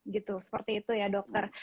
gitu seperti itu ya dokter